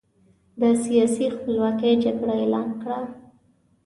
د سیاسي خپلواکۍ جګړه اعلان کړه.